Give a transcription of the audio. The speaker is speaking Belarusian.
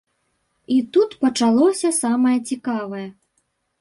І тут пачалося самае цікавае.